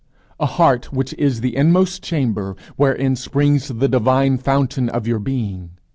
a heart which is the inmost chamber wherein springs the divine fountain of your being?